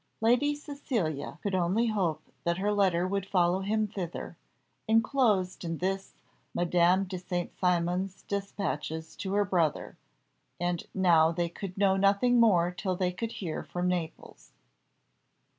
Lady Cecilia could only hope that her letter would follow him thither, enclosed in this Madame de St. Cymon's despatches to her brother; and now they could know nothing more till they could hear from Naples.